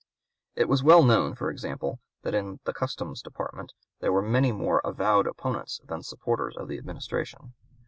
It was well known, for example, that in the Customs Department there were many more avowed opponents than supporters of the Administration.